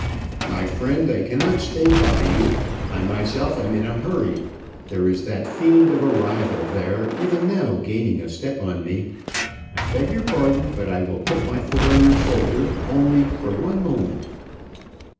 "My friend, I cannot stay by you; I myself am in a hurry; there is that fiend of a rival there even now gaining a step on me. I beg your pardon; but I will put my foot on your shoulder only for one moment.